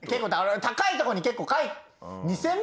高いとこに結構。